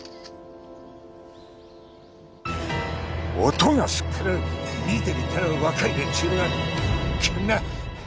音がすっから見てみたら若い連中らがこんな。